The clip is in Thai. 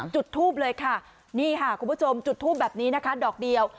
จุดทูบเลยค่ะนี่ค่ะคุณผู้ชมจุดทูปแบบนี้นะคะดอกเดียว